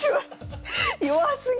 弱すぎる！